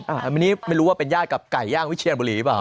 อันนี้ไม่รู้ว่าเป็นญาติกับไก่ย่างวิเชียนบุรีหรือเปล่า